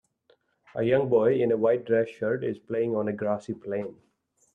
A young boy in a white dress shirt is playing on a grassy plain.